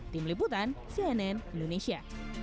tim liputan cnn indonesia